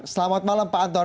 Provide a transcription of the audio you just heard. selamat malam pak anton